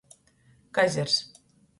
Kazers.